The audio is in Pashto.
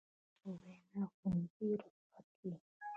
د یوې مور په وینا ښوونځي رخصت وي.